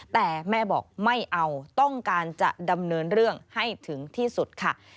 แต่แม่บอกไม่เอาต้องการจะดำเนินเรื่องให้ถึงที่สุดค่ะ